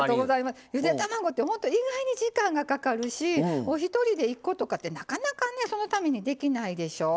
ゆで卵って意外に時間がかかるしお一人で１個とかって、なかなかそのためにできないでしょ。